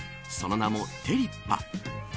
その名もテリッパ。